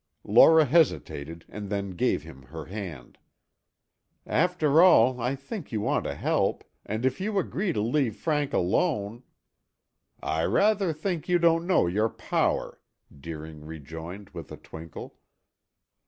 Laura hesitated, and then gave him her hand. "After all, I think you want to help, and if you agree to leave Frank alone " "I rather think you don't know your power," Deering rejoined with a twinkle.